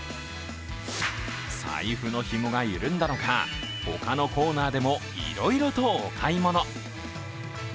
財布のひもが緩んだのか、他のコーナーでもいろいろとお買い物。